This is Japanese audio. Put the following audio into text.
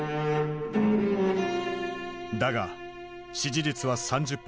だが支持率は３０％。